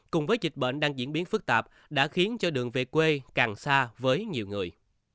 cùng với dịch bệnh đang diễn biến phức tạp đã khiến cho đường về quê càng xa với nhiều người